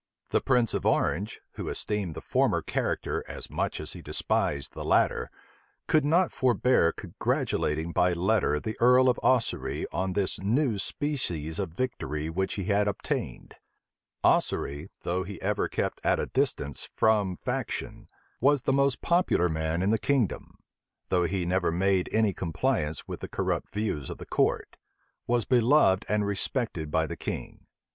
The prince of Orange, who esteemed the former character as much as he despised the latter, could not forbear congratulating by letter the earl of Ossory on this new species of victory which he had obtained. Ossory, though he ever kept at a distance from faction, was the most popular man in the kingdom; though he never made any compliance with the corrupt views of the court, was beloved and respected by the king.